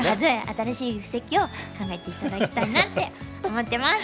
新しい布石を考えて頂きたいなって思ってます！